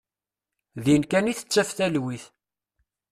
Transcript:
Din kan i tettaf talwit.